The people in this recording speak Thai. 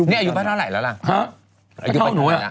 ไอ้อยู่ไปเท่าไหร่แล้วล่ะต้องถามเท่าไหร่ล่ะ